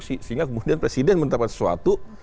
sehingga kemudian presiden menetapkan sesuatu